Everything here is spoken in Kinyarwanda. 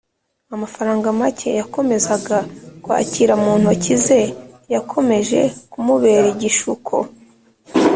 amafaranga make yakomezaga kwakira mu ntoki ze yakomeje kumubera igishuko